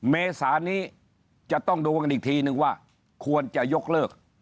เมษานี้จะต้องดูกันอีกทีนึงว่าควรจะยกเลิก